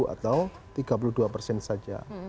atau tiga puluh dua persen saja